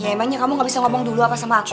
emang kamu tidak boleh bilang apa sama aku